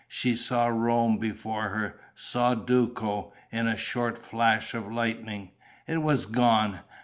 She saw Rome before her, saw Duco, in a short flash of lightning.... It was gone....